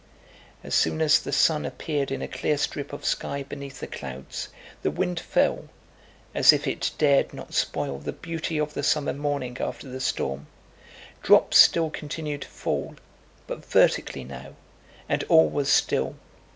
As soon as the sun appeared in a clear strip of sky beneath the clouds, the wind fell, as if it dared not spoil the beauty of the summer morning after the storm; drops still continued to fall, but vertically now, and all was still.